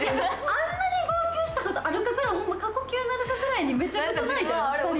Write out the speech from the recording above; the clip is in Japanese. あんなに号泣したことあるかくらいほんま、過呼吸なるかくらいにめちゃくちゃ泣いたな、２人で。